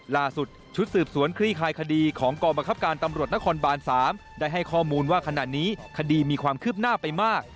ชุดสืบสวนคลี่คลายคดีของกองบังคับการตำรวจนครบาน๓ได้ให้ข้อมูลว่าขณะนี้คดีมีความคืบหน้าไปมาก